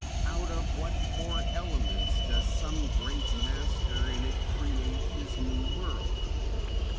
Out of what poor elements does some great master in it create his new world!